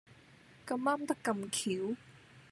咁啱得咁橋